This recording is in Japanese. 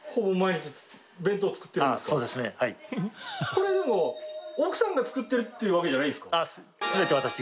これでも奥さんが作ってるっていうわけじゃないんですか？